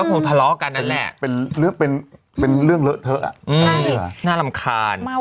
สุดท้ายสุดท้าย